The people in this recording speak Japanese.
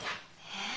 え？